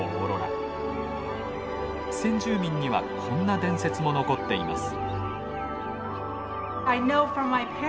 先住民にはこんな伝説も残っています。